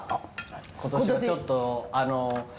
今年はちょっとあのう。